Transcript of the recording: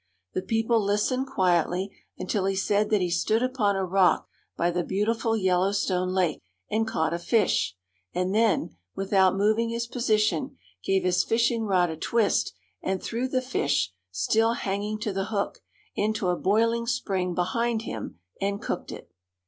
The people listened quietly until he said that he stood upon a rock by the beau tiful Yellowstone Lake, and caught a fish, and then, with out moving his position, gave his fishing rod a twist and threw the fish, still hanging to the hook, into a boiling spring behind him and cooked it.